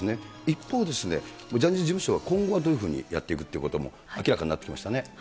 一方ですね、ジャニーズ事務所は今後はどういうふうにやっていくということも明らかになってきましたね。